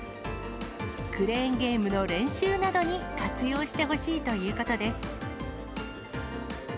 クレーンゲームの練習などに活用してほしいということです。